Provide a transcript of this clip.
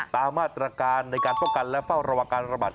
ตามมาตรการในการป้องกันและเฝ้าระวังการระบาด